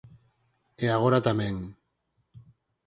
E agora tamén.